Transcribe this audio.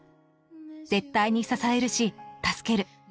絶対に支えるし、助ける！